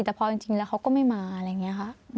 แต่พอจริงแล้วเขาก็ไม่มาอะไรอย่างนี้ค่ะ